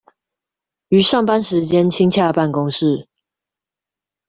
於上班時間親洽辦公室